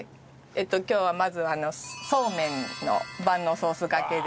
今日はまずそうめんの万能ソースがけで。